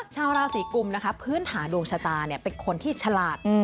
ชาวลาสีกุมนะครับพื้นฐานวงชาตาเนี่ยเป็นคนที่ฉลาด